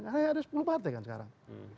karena ada sepuluh partai kan sekarang